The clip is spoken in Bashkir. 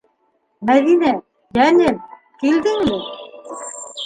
Мәҙинә, йәнем, килдеңме?